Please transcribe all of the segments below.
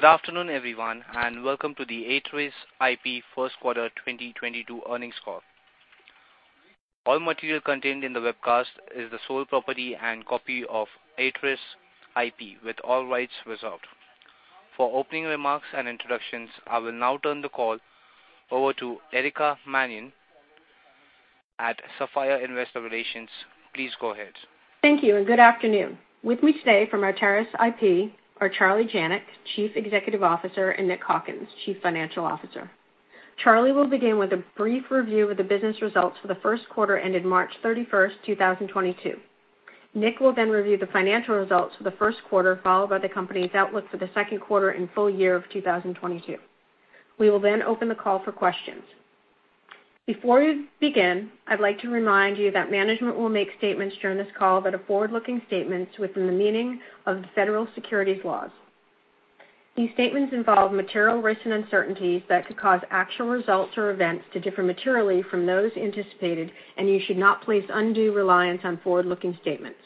Good afternoon, everyone, and welcome to the Arteris IP first quarter 2022 earnings call. All material contained in the webcast is the sole property and copy of Arteris IP, with all rights reserved. For opening remarks and introductions, I will now turn the call over to Erica Mannion at Sapphire Investor Relations. Please go ahead. Thank you and good afternoon. With me today from Arteris IP are Charlie Janac, Chief Executive Officer, and Nick Hawkins, Chief Financial Officer. Charlie will begin with a brief review of the business results for the first quarter ended March 31st, 2022. Nick will then review the financial results for the first quarter, followed by the company's outlook for the second quarter and full year of 2022. We will then open the call for questions. Before we begin, I'd like to remind you that management will make statements during this call that are forward-looking statements within the meaning of the federal securities laws. These statements involve material risks and uncertainties that could cause actual results or events to differ materially from those anticipated, and you should not place undue reliance on forward-looking statements.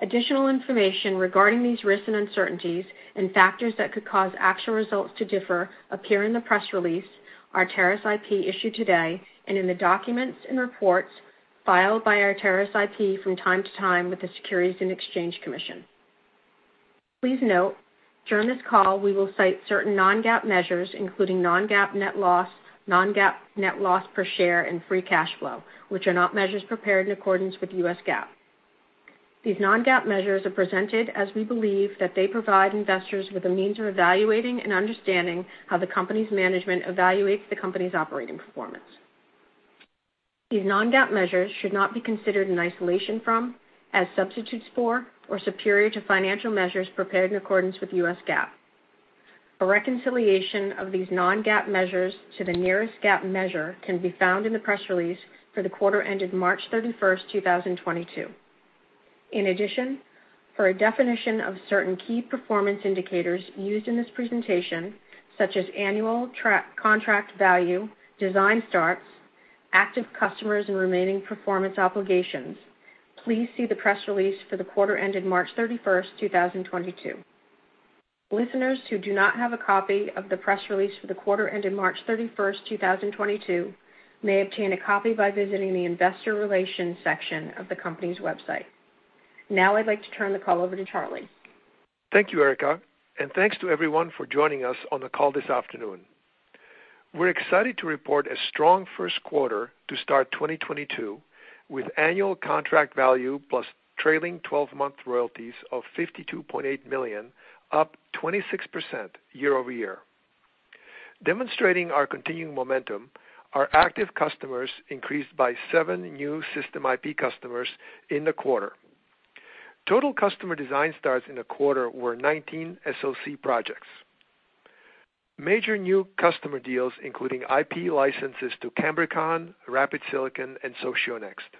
Additional information regarding these risks and uncertainties and factors that could cause actual results to differ appear in the press release Arteris IP issued today and in the documents and reports filed by Arteris IP from time to time with the Securities and Exchange Commission. Please note during this call we will cite certain non-GAAP measures, including non-GAAP net loss, non-GAAP net loss per share, and free cash flow, which are not measures prepared in accordance with U.S. GAAP. These non-GAAP measures are presented as we believe that they provide investors with a means of evaluating and understanding how the company's management evaluates the company's operating performance. These non-GAAP measures should not be considered in isolation from, as substitutes for, or superior to financial measures prepared in accordance with U.S. GAAP. A reconciliation of these non-GAAP measures to the nearest GAAP measure can be found in the press release for the quarter ended March 31st, 2022. In addition, for a definition of certain key performance indicators used in this presentation, such as annual contract value, design starts, active customers, and remaining performance obligations, please see the press release for the quarter ended March 31st, 2022. Listeners who do not have a copy of the press release for the quarter ended March 31st, 2022, may obtain a copy by visiting the investor relations section of the company's website. Now I'd like to turn the call over to Charlie. Thank you, Erica. Thanks to everyone for joining us on the call this afternoon. We're excited to report a strong first quarter to start 2022 with annual contract value plus trailing twelve-month royalties of $52.8 million, up 26% year-over-year. Demonstrating our continuing momentum, our active customers increased by seven new system IP customers in the quarter. Total customer design starts in the quarter were 19 SoC projects. Major new customer deals including IP licenses to Cambricon, Rapid Silicon, and Socionext.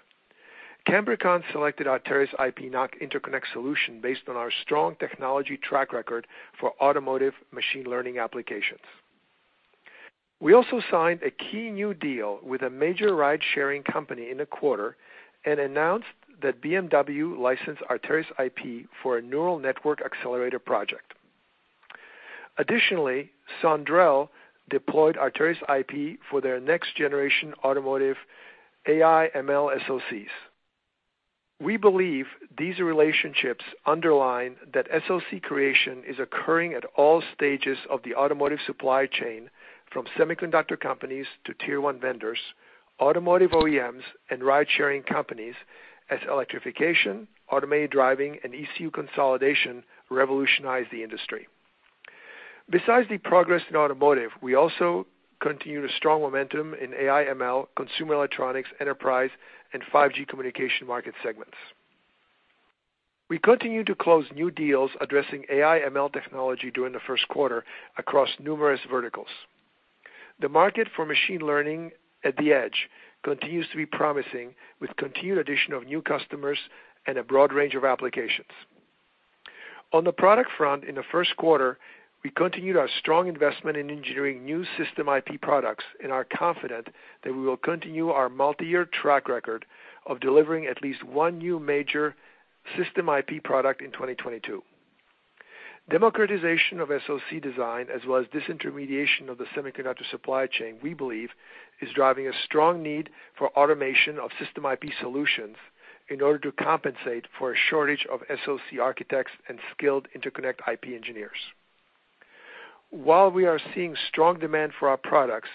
Cambricon selected Arteris IP NoC interconnect solution based on our strong technology track record for automotive machine learning applications. We also signed a key new deal with a major ride sharing company in the quarter and announced that BMW licensed Arteris IP for a neural network accelerator project. Additionally, NXP deployed Arteris IP for their next generation automotive AI ML SoCs. We believe these relationships underline that SoC creation is occurring at all stages of the automotive supply chain, from semiconductor companies to tier one vendors, automotive OEMs, and ride sharing companies as electrification, automated driving, and ECU consolidation revolutionize the industry. Besides the progress in automotive, we also continued a strong momentum in AI ML, consumer electronics, enterprise, and 5G communication market segments. We continued to close new deals addressing AI ML technology during the first quarter across numerous verticals. The market for machine learning at the edge continues to be promising, with continued addition of new customers and a broad range of applications. On the product front, in the first quarter, we continued our strong investment in engineering new system IP products and are confident that we will continue our multi-year track record of delivering at least one new major system IP product in 2022. Democratization of SoC design, as well as disintermediation of the semiconductor supply chain, we believe, is driving a strong need for automation of system IP solutions in order to compensate for a shortage of SoC architects and skilled interconnect IP engineers. While we are seeing strong demand for our products,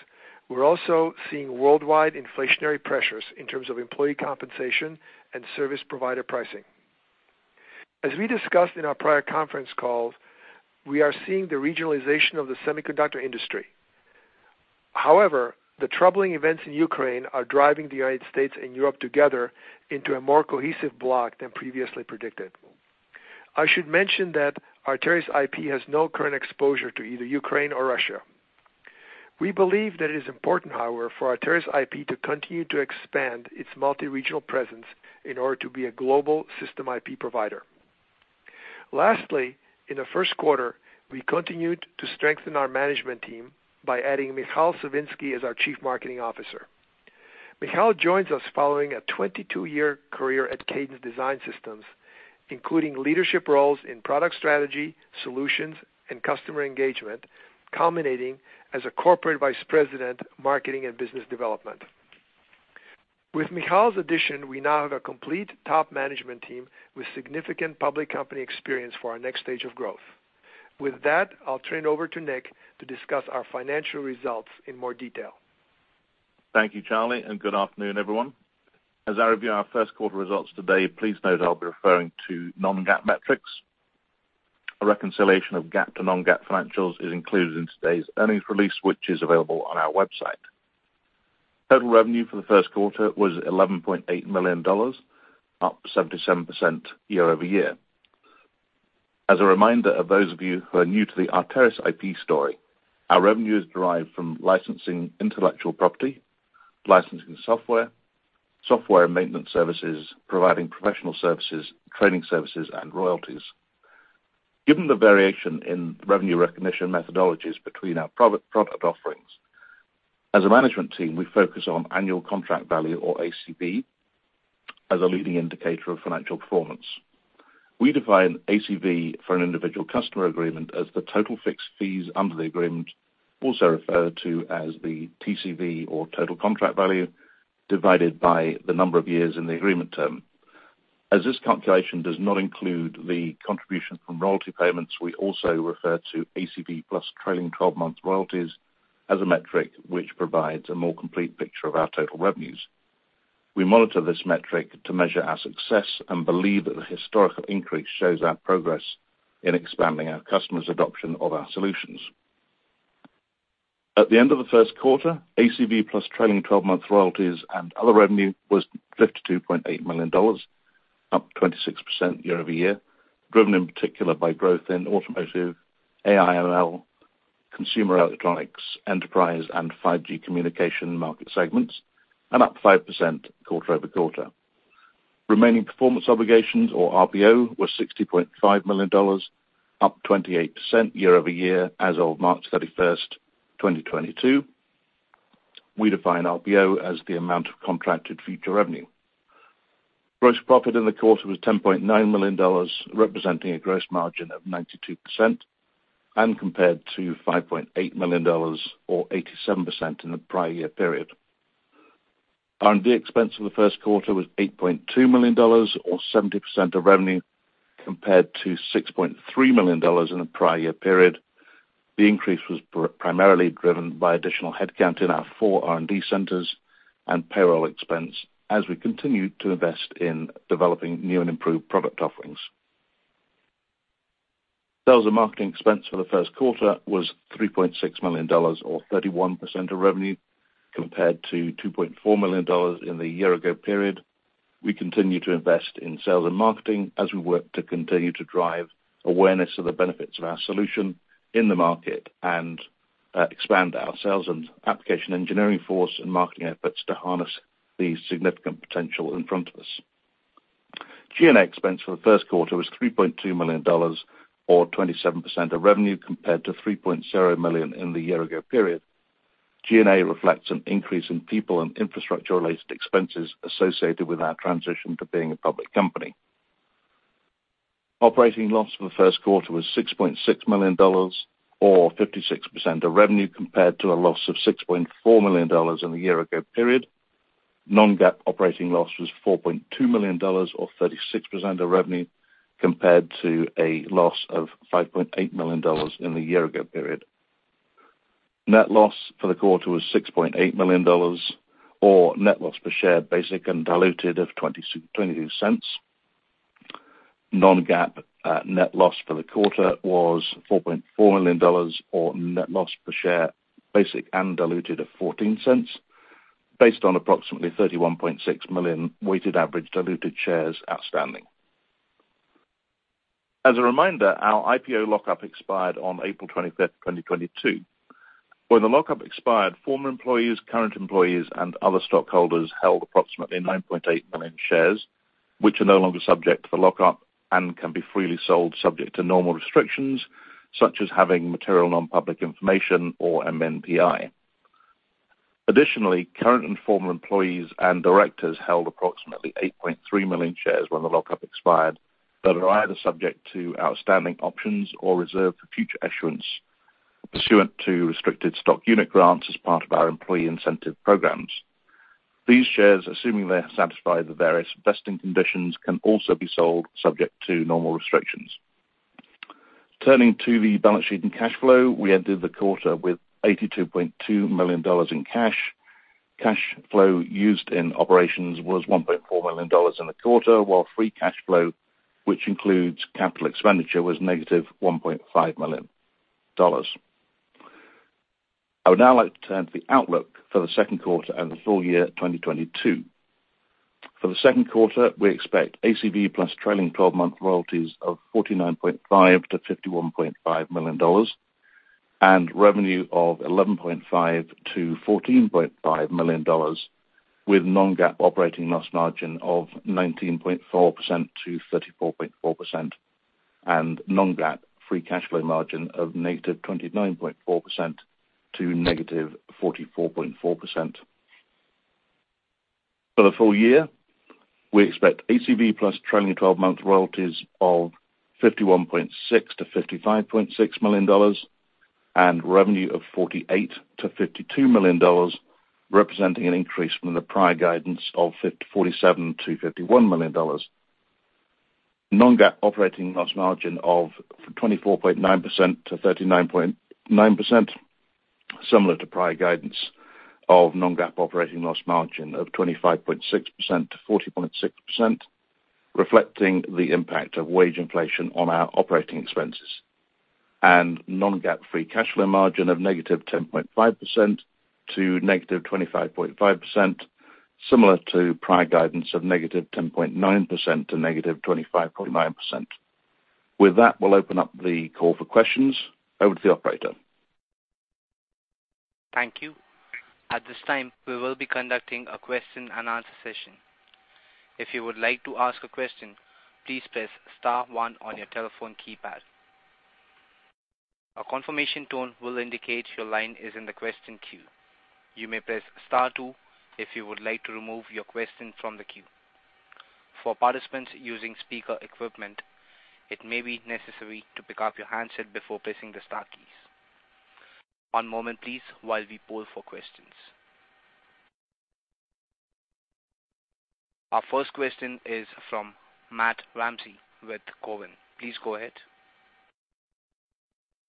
we're also seeing worldwide inflationary pressures in terms of employee compensation and service provider pricing. As we discussed in our prior conference calls, we are seeing the regionalization of the semiconductor industry. However, the troubling events in Ukraine are driving the United States and Europe together into a more cohesive block than previously predicted. I should mention that Arteris IP has no current exposure to either Ukraine or Russia. We believe that it is important, however, for Arteris IP to continue to expand its multi-regional presence in order to be a global system IP provider. Lastly, in the first quarter, we continued to strengthen our management team by adding Michal Siwinski as our Chief Marketing Officer. Michal joins us following a 22-year career at Cadence Design Systems, including leadership roles in product strategy, solutions and customer engagement, culminating as a corporate vice president, marketing and business development. With Michal's addition, we now have a complete top management team with significant public company experience for our next stage of growth. With that, I'll turn it over to Nick to discuss our financial results in more detail. Thank you, Charlie, and good afternoon, everyone. As I review our first quarter results today, please note I'll be referring to non-GAAP metrics. A reconciliation of GAAP to non-GAAP financials is included in today's earnings release, which is available on our website. Total revenue for the first quarter was $11.8 million, up 77% year-over-year. As a reminder to those of you who are new to the Arteris IP story, our revenue is derived from licensing intellectual property, licensing software maintenance services, providing professional services, training services and royalties. Given the variation in revenue recognition methodologies between our product offerings, as a management team, we focus on annual contract value or ACV as a leading indicator of financial performance. We define ACV for an individual customer agreement as the total fixed fees under the agreement, also referred to as the TCV or total contract value, divided by the number of years in the agreement term. As this calculation does not include the contribution from royalty payments, we also refer to ACV plus trailing twelve-month royalties as a metric which provides a more complete picture of our total revenues. We monitor this metric to measure our success and believe that the historical increase shows our progress in expanding our customers' adoption of our solutions. At the end of the first quarter, ACV plus trailing twelve-month royalties and other revenue was $52.8 million, up 26% year-over-year, driven in particular by growth in automotive, AI/ML, consumer electronics, enterprise, and 5G communication market segments, and up 5% quarter-over-quarter. Remaining performance obligations or RPO was $60.5 million, up 28% year-over-year as of March 31st, 2022. We define RPO as the amount of contracted future revenue. Gross profit in the quarter was $10.9 million, representing a gross margin of 92% and compared to $5.8 million or 87% in the prior year period. R&D expense in the first quarter was $8.2 million or 70% of revenue, compared to $6.3 million in the prior year period. The increase was primarily driven by additional headcount in our four R&D centers and payroll expense as we continue to invest in developing new and improved product offerings. Sales and marketing expense for the first quarter was $3.6 million or 31% of revenue, compared to $2.4 million in the year ago period. We continue to invest in sales and marketing as we work to continue to drive awareness of the benefits of our solution in the market and expand our sales and application engineering force and marketing efforts to harness the significant potential in front of us. G&A expense for the first quarter was $3.2 million or 27% of revenue, compared to $3.0 million in the year ago period. G&A reflects an increase in people and infrastructure related expenses associated with our transition to being a public company. Operating loss for the first quarter was $6.6 million or 56% of revenue, compared to a loss of $6.4 million in the year ago period. Non-GAAP operating loss was $4.2 million or 36% of revenue, compared to a loss of $5.8 million in the year ago period. Net loss for the quarter was $6.8 million, or net loss per share, basic and diluted of $0.22. Non-GAAP net loss for the quarter was $4.4 million or net loss per share, basic and diluted of $0.14 based on approximately 31.6 million weighted average diluted shares outstanding. As a reminder, our IPO lock-up expired on April 25th, 2022. When the lock-up expired, former employees, current employees and other stockholders held approximately 9.8 million shares, which are no longer subject to the lock-up and can be freely sold subject to normal restrictions, such as having material non-public information or MNPI. Additionally, current and former employees and directors held approximately 8.3 million shares when the lock-up expired that are either subject to outstanding options or reserved for future issuance pursuant to restricted stock unit grants as part of our employee incentive programs. These shares, assuming they satisfy the various vesting conditions, can also be sold subject to normal restrictions. Turning to the balance sheet and cash flow, we ended the quarter with $82.2 million in cash. Cash flow used in operations was $1.4 million in the quarter, while free cash flow, which includes capital expenditure, was -$1.5 million. I would now like to turn to the outlook for the second quarter and the full year 2022. For the second quarter, we expect ACV plus trailing twelve-month royalties of $49.5-$51.5 million and revenue of $11.5-$14.5 million with non-GAAP operating loss margin of 19.4%-34.4%. Non-GAAP free cash flow margin of -29.4% to -44.4%. For the full year, we expect ACV plus trailing twelve-month royalties of $51.6 million-$55.6 million and revenue of $48 million-$52 million, representing an increase from the prior guidance of $47 million-$51 million. Non-GAAP operating loss margin of 24.9%-39.9%, similar to prior guidance of non-GAAP operating loss margin of 25.6%-40.6%, reflecting the impact of wage inflation on our operating expenses. Non-GAAP free cash flow margin of -10.5% to -25.5%, similar to prior guidance of -10.9% to -25.9%. With that, we'll open up the call for questions over to the operator. Thank you. At this time, we will be conducting a question and answer session. If you would like to ask a question, please press star one on your telephone keypad. A confirmation tone will indicate your line is in the question queue. You may press star two if you would like to remove your question from the queue. For participants using speaker equipment, it may be necessary to pick up your handset before pressing the star keys. One moment please while we poll for questions. Our first question is from Matt Ramsay with Cowen. Please go ahead.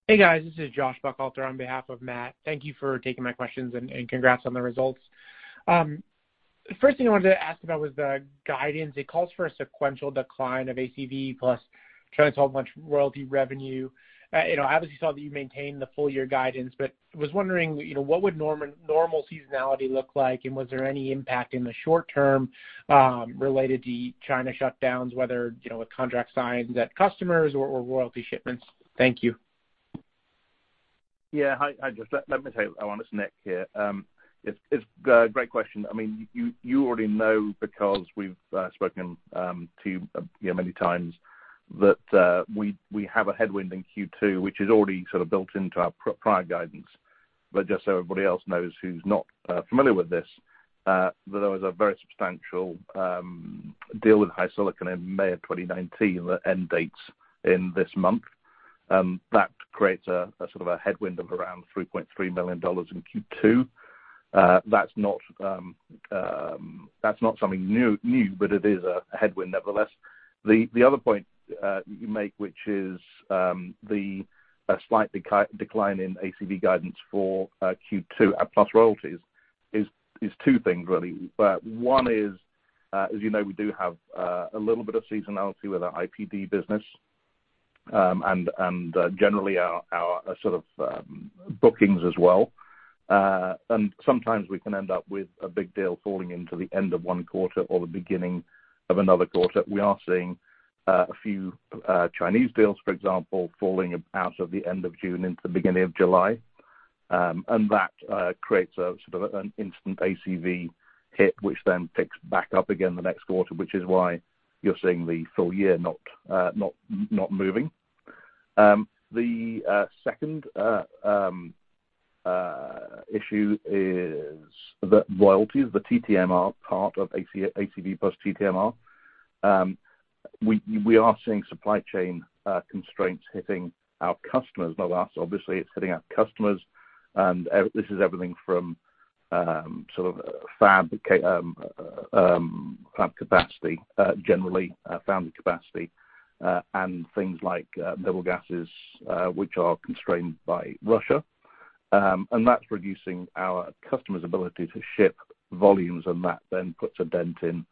Hey, guys, this is Josh Buchalter on behalf of Matt. Thank you for taking my questions and congrats on the results. First thing I wanted to ask about was the guidance. It calls for a sequential decline of ACV plus trailing twelve-month royalty revenue. You know, obviously saw that you maintained the full year guidance, but was wondering, you know, what would normal seasonality look like, and was there any impact in the short term, related to China shutdowns, whether, you know, with contract signings at customers or royalty shipments? Thank you. Yeah. Hi, Josh. Let me take that one. It's Nick here. It's a great question. I mean, you already know because we've spoken to you know, many times that we have a headwind in Q2, which is already sort of built into our prior guidance. Just so everybody else knows who's not familiar with this, that there was a very substantial deal with HiSilicon in May of 2019 that ends in this month. That creates sort of a headwind of around $3.3 million in Q2. That's not something new, but it is a headwind nevertheless. The other point you make, which is a slight decline in ACV guidance for Q2 plus royalties is two things, really. One is, as you know, we do have a little bit of seasonality with our IPD business, and generally our sort of bookings as well. Sometimes we can end up with a big deal falling into the end of one quarter or the beginning of another quarter. We are seeing a few Chinese deals, for example, falling out of the end of June into the beginning of July. That creates a sort of an instant ACV hit, which then picks back up again the next quarter, which is why you're seeing the full year not moving. The second issue is the royalties, the TTMR part of ACV plus TTMR. We are seeing supply chain constraints hitting our customers. Not us, obviously. It's hitting our customers. This is everything from sort of fab capacity generally, foundry capacity, and things like noble gases, which are constrained by Russia. That's reducing our customers' ability to ship volumes, and that then puts a dent in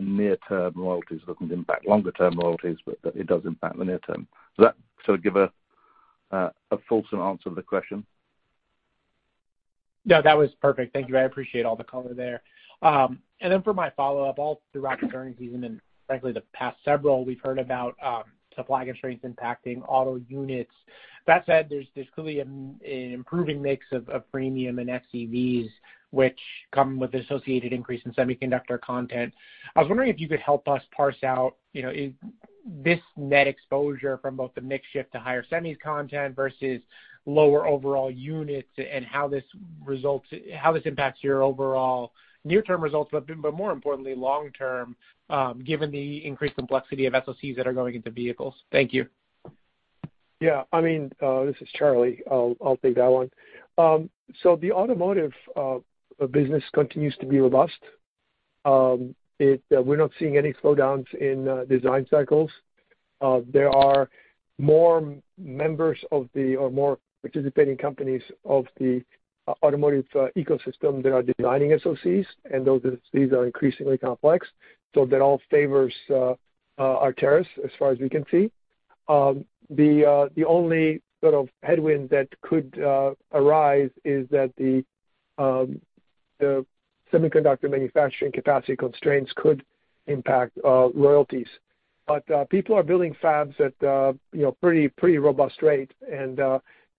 near-term royalties. Doesn't impact longer term royalties, but it does impact the near term. Does that sort of give a fulsome answer to the question? No, that was perfect. Thank you. I appreciate all the color there. For my follow-up, all throughout the current season and frankly the past several, we've heard about supply constraints impacting auto units. That said, there's clearly an improving mix of premium and EVs which come with associated increase in semiconductor content. I was wondering if you could help us parse out, you know, this net exposure from both the mix shift to higher semis content versus lower overall units and how this impacts your overall near-term results, but more importantly long term, given the increased complexity of SoCs that are going into vehicles. Thank you. Yeah. I mean, this is Charlie. I'll take that one. The automotive business continues to be robust. We're not seeing any slowdowns in design cycles. There are more members or more participating companies of the automotive ecosystem that are designing SoCs, and these are increasingly complex. That all favors Arteris, as far as we can see. The only sort of headwind that could arise is that the semiconductor manufacturing capacity constraints could impact royalties. People are building fabs at a you know pretty robust rate.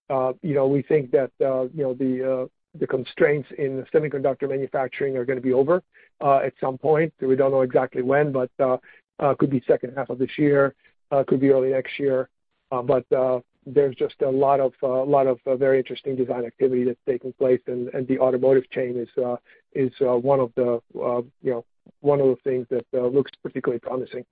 You know, we think that you know the constraints in semiconductor manufacturing are gonna be over at some point. We don't know exactly when, but could be second half of this year, could be early next year. There's just a lot of very interesting design activity that's taking place, and the automotive chain is one of the, you know, one of the things that looks particularly promising.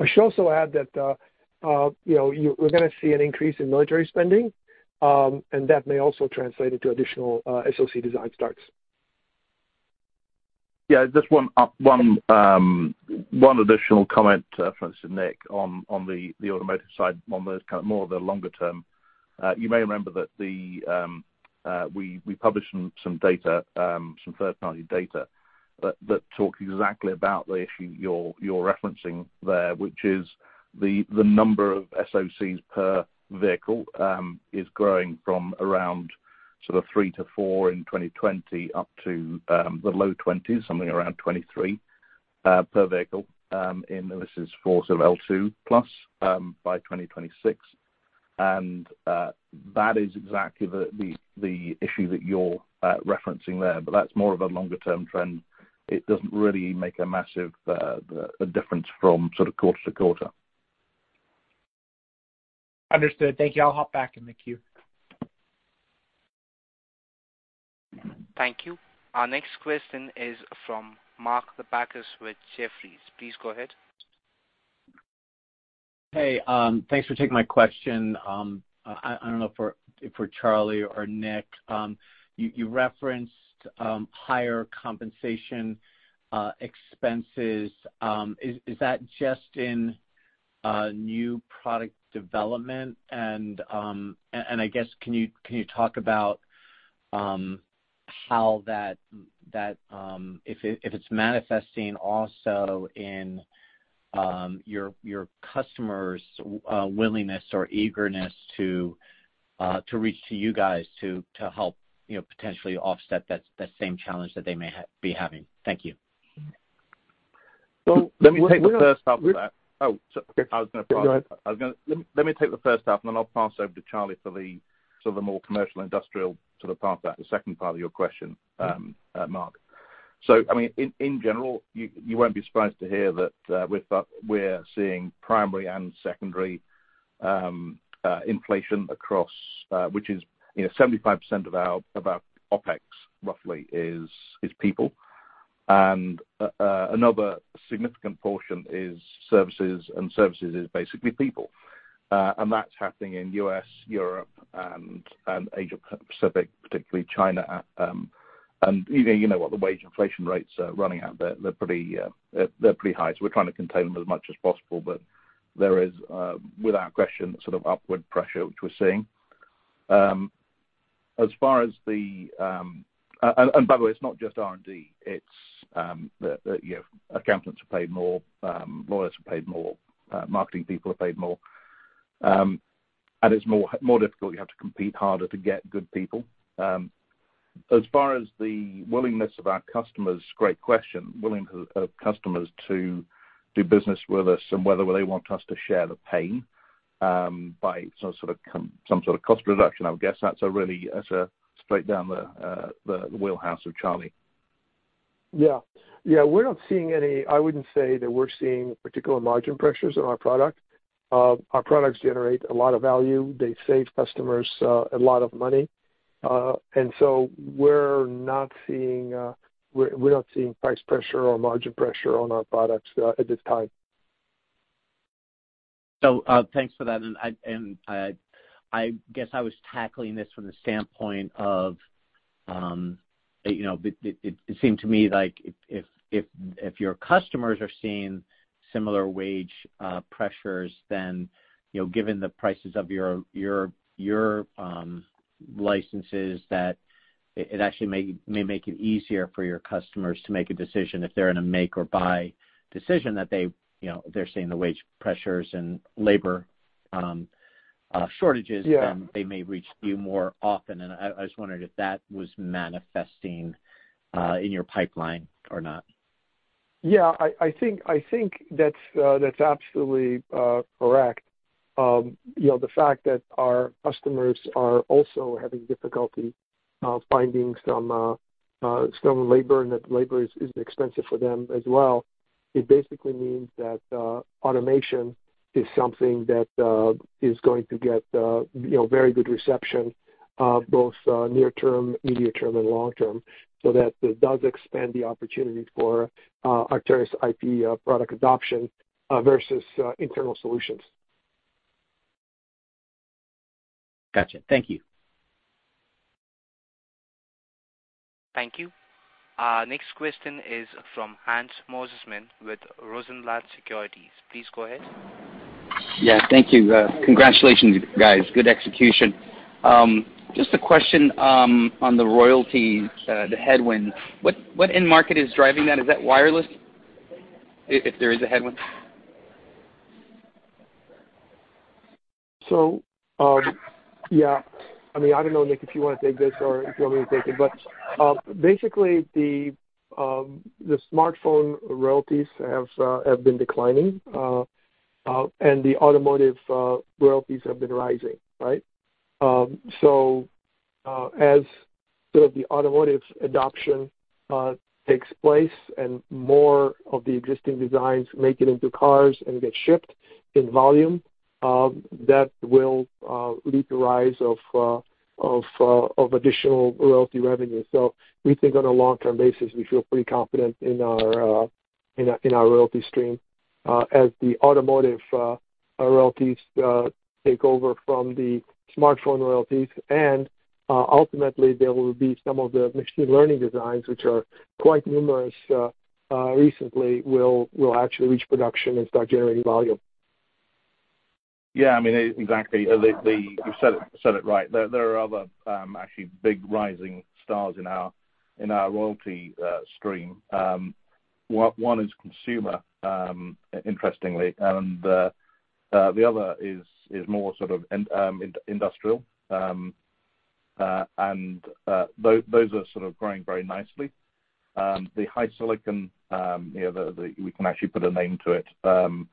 I should also add that you know, we're gonna see an increase in military spending, and that may also translate into additional SoC design starts. Yeah, just one additional comment, Josh Buchalter and Nick Hawkins, on the automotive side on those kind of more of the longer term. You may remember that we published some third-party data that talked exactly about the issue you're referencing there, which is the number of SoCs per vehicle is growing from around sort of 3-4 in 2020 up to the low 20s, something around 23 per vehicle, and this is for sort of L2+ by 2026. That is exactly the issue that you're referencing there. But that's more of a longer term trend. It doesn't really make a massive difference from sort of quarter to quarter. Understood. Thank you. I'll hop back in the queue. Thank you. Our next question is from Mark Lipacis with Jefferies. Please go ahead. Hey, thanks for taking my question. I don't know for Charlie or Nick. You referenced higher compensation expenses. Is that just in new product development? I guess can you talk about how that, if it's manifesting also in your customers' willingness or eagerness to reach out to you guys to help, you know, potentially offset that same challenge that they may be having? Thank you. Let me take the first half of that. Oh, I was gonna pass. Go ahead. Let me take the first half, and then I'll pass over to Charlie for the sort of the more commercial industrial sort of part that, the second part of your question, Mark. I mean, in general, you won't be surprised to hear that, we're seeing primary and secondary inflation across which is, you know, 75% of our OpEx roughly is people. Another significant portion is services, and services is basically people. That's happening in U.S., Europe, and Asia-Pacific, particularly China. You know what the wage inflation rates are running at. They're pretty high, so we're trying to contain them as much as possible. There is without question sort of upward pressure, which we're seeing. By the way, it's not just R&D. It's the you know, accountants are paid more, lawyers are paid more, marketing people are paid more. It's more difficult. You have to compete harder to get good people. As far as the willingness of our customers, great question, willingness of customers to do business with us and whether they want us to share the pain by some sort of cost reduction. I would guess that's really a straight down the wheelhouse of Charlie. Yeah. Yeah, I wouldn't say that we're seeing particular margin pressures on our product. Our products generate a lot of value. They save customers a lot of money. We're not seeing price pressure or margin pressure on our products at this time. Thanks for that. I guess I was tackling this from the standpoint of, you know, it seemed to me like if your customers are seeing similar wage pressures then, you know, given the prices of your licenses, that it actually may make it easier for your customers to make a decision if they're in a make or buy decision that they, you know, they're seeing the wage pressures and labor shortages. Yeah. they may reach you more often. I was wondering if that was manifesting in your pipeline or not. I think that's absolutely correct. You know, the fact that our customers are also having difficulty finding some labor and that labor is expensive for them as well, it basically means that automation is something that is going to get you know, very good reception both near term, medium term, and long term, so that it does expand the opportunity for Arteris IP product adoption versus internal solutions. Gotcha. Thank you. Thank you. Our next question is from Hans Mosesmann with Rosenblatt Securities. Please go ahead. Yeah. Thank you. Congratulations guys. Good execution. Just a question on the royalties, the headwind. What end market is driving that? Is that wireless, if there is a headwind? I mean, I don't know, Nick, if you wanna take this or if you want me to take it. Basically, the smartphone royalties have been declining. The automotive royalties have been rising, right? As sort of the automotive adoption takes place and more of the existing designs make it into cars and get shipped in volume, that will lead to rise of additional royalty revenue. We think on a long-term basis, we feel pretty confident in our royalty stream as the automotive royalties take over from the smartphone royalties. Ultimately there will be some of the machine learning designs which are quite numerous recently will actually reach production and start generating volume. Yeah, I mean, exactly. You said it right. There are other actually big rising stars in our royalty stream. One is consumer, interestingly, and the other is more sort of in industrial. Those are sort of growing very nicely. The HiSilicon, you know, we can actually put a name to it, on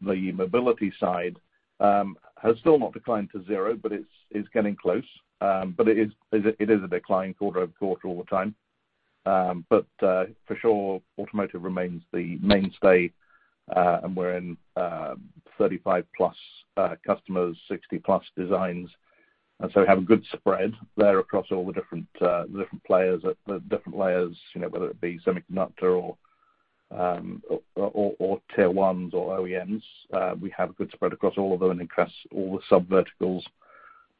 the mobility side, has still not declined to zero, but it's getting close. It is a decline quarter-over-quarter all the time. For sure automotive remains the mainstay, and we're in 35+ customers, 60+ designs. We have a good spread there across all the different players at the different layers, you know, whether it be semiconductor or tier ones or OEMs. We have a good spread across all of them and across all the sub verticals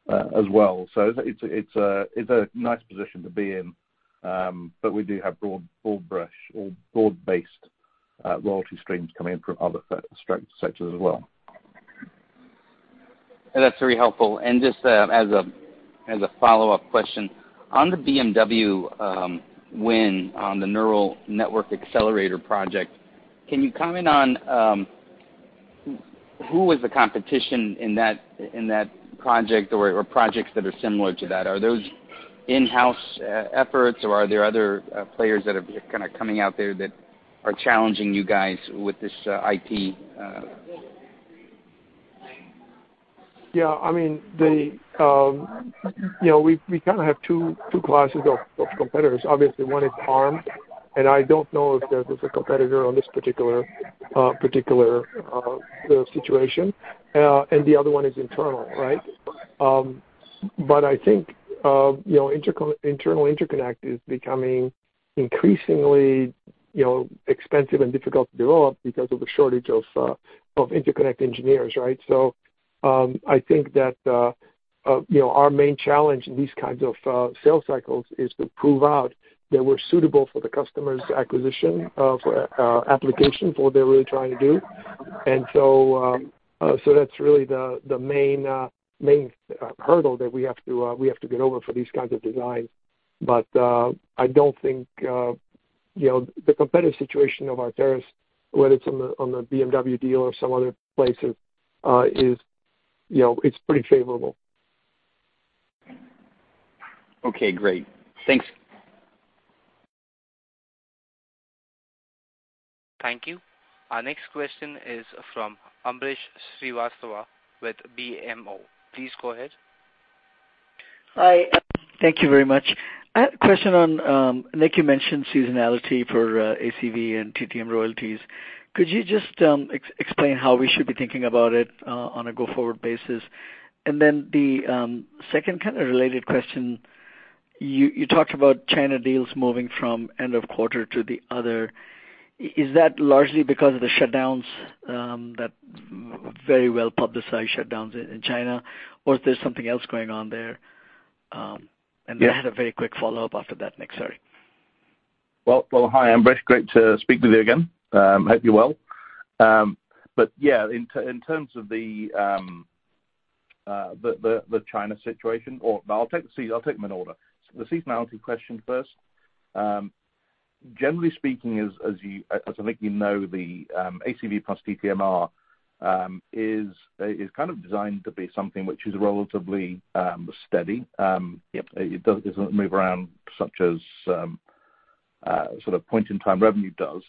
as well. It's a nice position to be in, but we do have broad brush or broad-based royalty streams coming in from other sectors as well. That's very helpful. Just as a follow-up question on the BMW win on the neural network accelerator project, can you comment on who was the competition in that project or projects that are similar to that? Are those in-house efforts, or are there other players that are kind of coming out there that are challenging you guys with this IP? Yeah, I mean, you know, we kind of have two classes of competitors. Obviously one is Arm, and I don't know if there was a competitor on this particular situation. The other one is internal, right? I think you know, internal interconnect is becoming increasingly, you know, expensive and difficult to develop because of the shortage of interconnect engineers, right? I think that you know, our main challenge in these kinds of sales cycles is to prove out that we're suitable for the customer's application for what they're really trying to do. That's really the main hurdle that we have to get over for these kinds of designs.I don't think, you know, the competitive situation of Arteris, whether it's on the BMW deal or some other places, is, you know, it's pretty favorable. Okay, great. Thanks. Thank you. Our next question is from Ambrish Srivastava with BMO. Please go ahead. Hi. Thank you very much. I have a question on Nick. You mentioned seasonality for ACV and TTM royalties. Could you just explain how we should be thinking about it on a go-forward basis? The second kind of related question, you talked about China deals moving from end of quarter to the other. Is that largely because of the shutdowns that very well-publicized shutdowns in China, or is there something else going on there? Yeah. I had a very quick follow-up after that, Nick, sorry. Hi, Ambrish. Great to speak with you again. Hope you're well. Yeah, in terms of the China situation or I'll take them in order. The seasonality question first. Generally speaking, as I think you know, the ACV plus TTMR is kind of designed to be something which is relatively steady. It doesn't move around as much as sort of point in time revenue does.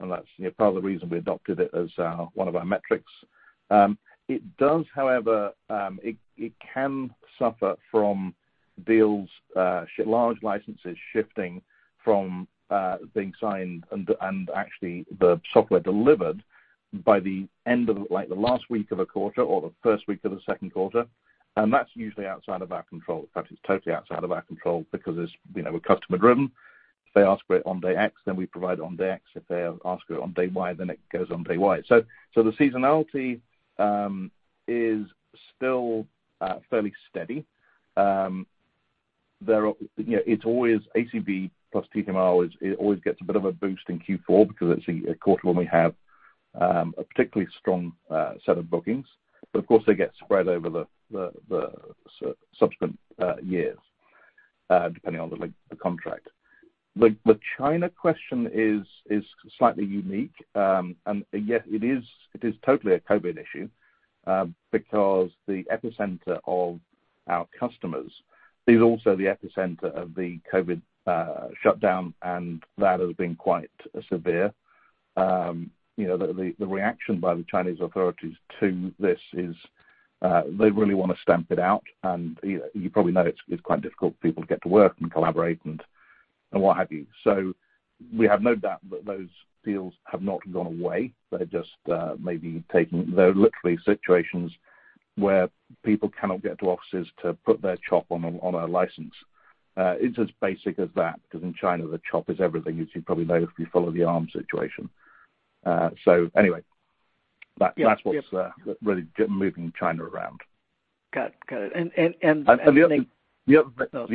That's, you know, part of the reason we adopted it as one of our metrics. It does, however, suffer from such large licenses shifting from being signed and actually the software delivered by the end of like the last week of a quarter or the first week of the second quarter. That's usually outside of our control. In fact, it's totally outside of our control because it's, you know, we're customer driven. If they ask for it on day X, then we provide it on day X. If they ask for it on day Y, then it goes on day Y. The seasonality is still fairly steady. You know, it's always ACV plus TTMR. It always gets a bit of a boost in Q4 because it's a quarter when we have a particularly strong set of bookings. Of course, they get spread over the subsequent years, depending on the contract. The China question is slightly unique. Yet it is totally a COVID issue, because the epicenter of our customers is also the epicenter of the COVID shutdown, and that has been quite severe. You know, the reaction by the Chinese authorities to this is, they really wanna stamp it out, and you probably know it's quite difficult for people to get to work and collaborate and what have you. We have no doubt that those deals have not gone away, they're just maybe taking. They're literally situations where people cannot get to offices to put their chop on a license. It's as basic as that 'cause in China, the chop is everything, as you probably know if you follow the Arm situation. Yeah. That's what's really moving China around. Got it. Nick- the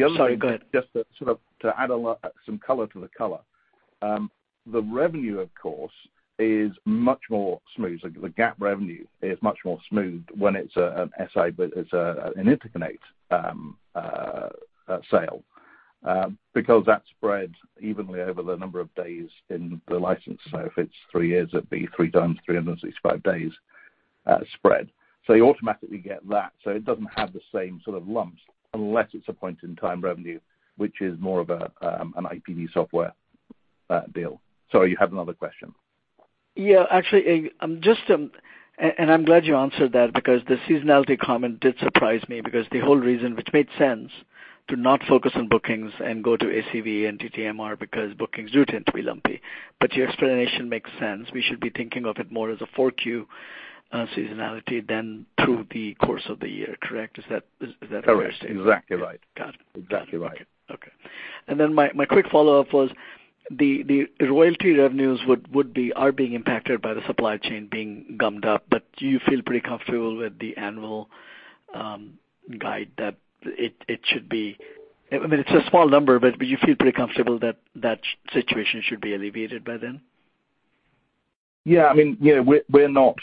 other Sorry, go ahead. Just to sort of add some color to the color. The revenue, of course, is much more smooth. Like the GAAP revenue is much more smooth when it's an SI but it's an interconnect sale, because that's spread evenly over the number of days in the license. If it's three years, it'd be 3x 365 days spread. You automatically get that, so it doesn't have the same sort of lumps unless it's a point-in-time revenue, which is more of an IP software deal. Sorry, you had another question. Actually, I'm glad you answered that because the seasonality comment did surprise me because the whole reason, which made sense to not focus on bookings and go to ACV and TTMR because bookings do tend to be lumpy. Your explanation makes sense. We should be thinking of it more as a four-Q seasonality than through the course of the year, correct? Is that fair to say? Correct. Exactly right. Got it. Exactly right. Okay. My quick follow-up was the royalty revenues are being impacted by the supply chain being gummed up. Do you feel pretty comfortable with the annual guide that it should be? I mean, it's a small number, but do you feel pretty comfortable that that situation should be alleviated by then? Yeah. I mean, you know, we're not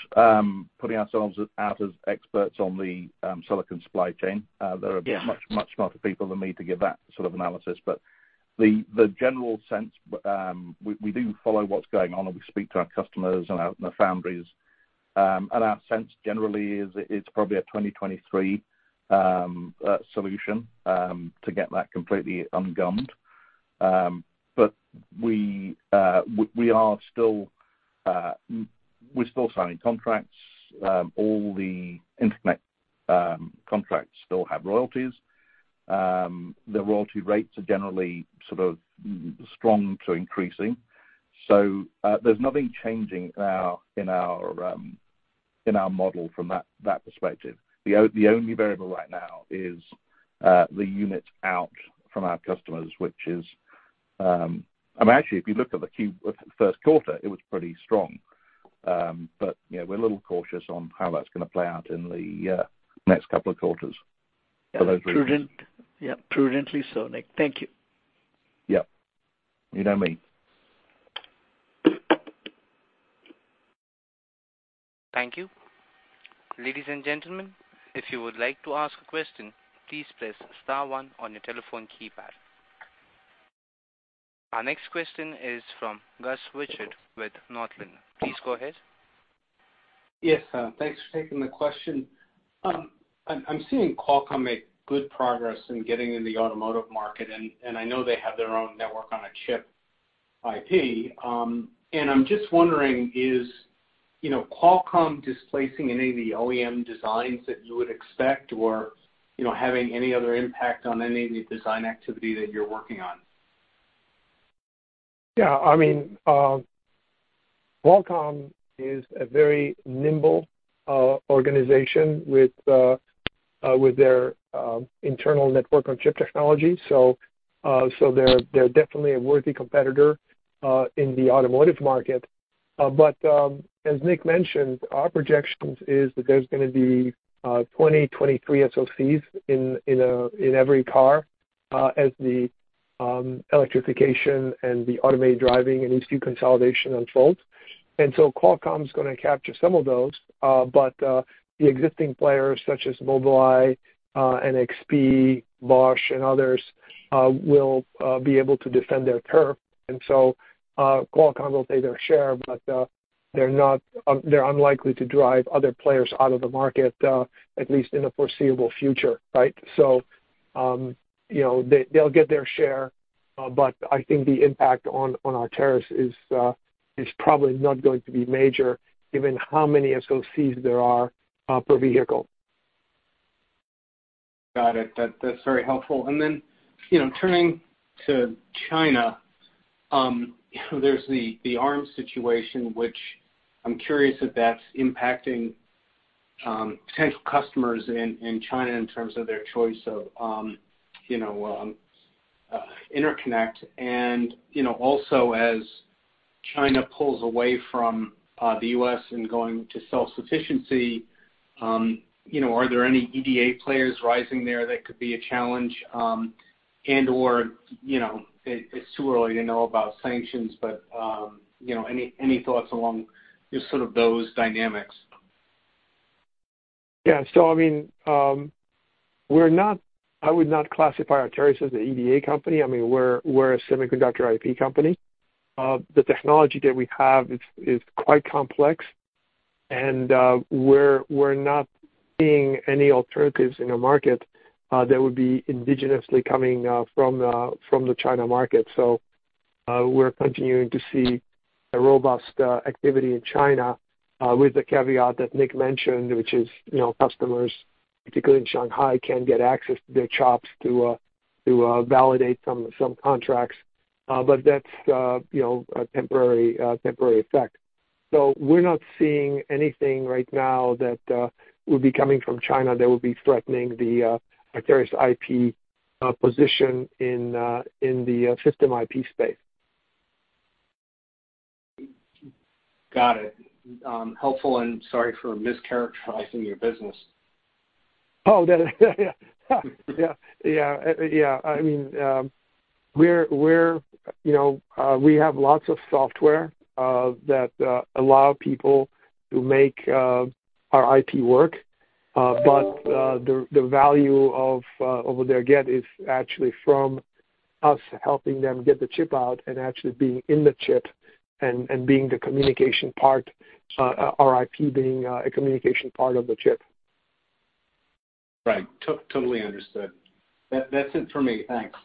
putting ourselves out as experts on the silicon supply chain. Yeah Much, much smarter people than me to give that sort of analysis. The general sense we do follow what's going on, and we speak to our customers and the foundries. Our sense generally is it's probably a 2023 solution to get that completely ungummed. We're still signing contracts. All the internet contracts still have royalties. The royalty rates are generally sort of strong to increasing. There's nothing changing in our model from that perspective. The only variable right now is the units out from our customers, which is. I mean, actually, if you look at the first quarter, it was pretty strong. You know, we're a little cautious on how that's gonna play out in the next couple of quarters for those reasons. Prudent. Yeah, prudently so, Nick. Thank you. Yeah. You know me. Thank you. Ladies and gentlemen, if you would like to ask a question, please press star one on your telephone keypad. Our next question is from Gus Richard with Northland. Please go ahead. Yes, thanks for taking the question. I'm seeing Qualcomm make good progress in getting in the automotive market, and I know they have their own Network-on-Chip IP. I'm just wondering, you know, Qualcomm displacing any of the OEM designs that you would expect or, you know, having any other impact on any of the design activity that you're working on? Yeah. I mean, Qualcomm is a very nimble organization with their internal network-on-chip technology. They're definitely a worthy competitor in the automotive market. As Nick mentioned, our projections is that there's gonna be 23 SoCs in every car as the electrification and the automated driving and these two consolidation unfolds. Qualcomm's gonna capture some of those, but the existing players such as Mobileye, NXP, Bosch, and others will be able to defend their turf. Qualcomm will play their share, but they're unlikely to drive other players out of the market at least in the foreseeable future, right? You know, they'll get their share, but I think the impact on Arteris is probably not going to be major given how many SoCs there are per vehicle. Got it. That's very helpful. You know, turning to China, there's the Arm situation, which I'm curious if that's impacting potential customers in China in terms of their choice of interconnect. You know, also as China pulls away from the U.S. and going to self-sufficiency, are there any EDA players rising there that could be a challenge, and/or it's too early to know about sanctions, but any thoughts along just sort of those dynamics? I would not classify Arteris as an EDA company. I mean, we're a semiconductor IP company. The technology that we have is quite complex. We're not seeing any alternatives in the market that would be indigenously coming from the China market. We're continuing to see a robust activity in China with the caveat that Nick mentioned, which is, you know, customers, particularly in Shanghai, can get access to their chops to validate some contracts. But that's, you know, a temporary effect. We're not seeing anything right now that would be coming from China that would be threatening the Arteris IP position in the system IP space. Got it. Helpful, and sorry for mischaracterizing your business. Oh, that. Yeah. I mean, we're, you know, we have lots of software that allow people to make our IP work. The value of what they get is actually from us helping them get the chip out and actually being in the chip and being the communication part, our IP being a communication part of the chip. Right. Totally understood. That's it for me. Thanks.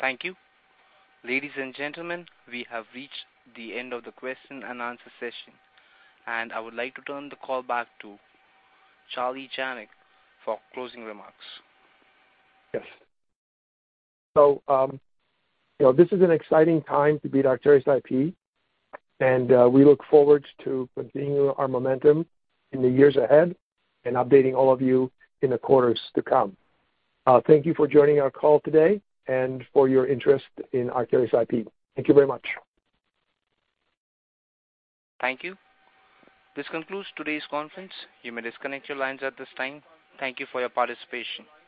Thank you. Ladies and gentlemen, we have reached the end of the question and answer session. I would like to turn the call back to Charlie Janac for closing remarks. Yes. You know, this is an exciting time to be at Arteris IP, and we look forward to continuing our momentum in the years ahead and updating all of you in the quarters to come. Thank you for joining our call today and for your interest in Arteris IP. Thank you very much. Thank you. This concludes today's conference. You may disconnect your lines at this time. Thank you for your participation.